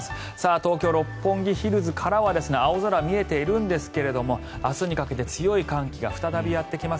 東京・六本木ヒルズからは青空は見えているんですが明日にかけて強い寒気が再びやってきます。